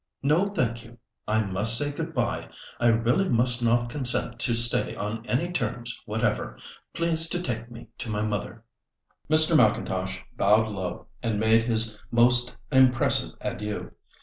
"No, thank you! I must say good bye, I really must not consent to stay on any terms whatever. Please to take me to my mother." Mr. M'Intosh bowed low, and made his most impressive adieu.